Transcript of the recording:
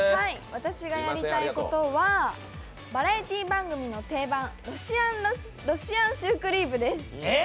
私がやりたいことはバラエティー番組の定番、ロシアンシュークリームです。